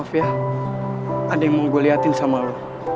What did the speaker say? maaf ya ada yang mau gue liatin sama lo